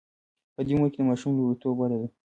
په دې عمر کې د ماشوم لومړیتوب وده ده.